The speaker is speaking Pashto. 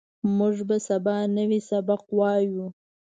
موږ به سبا نوی سبق وایو